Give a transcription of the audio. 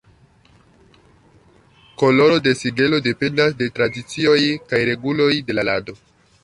Koloro de sigelo dependas de tradicioj kaj reguloj de la lando.